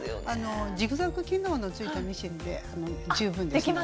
ジグザグ機能のついたミシンで十分できるので。